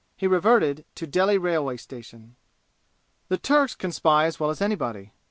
He reverted to Delhi railway station. "The Turks can spy as well as anybody.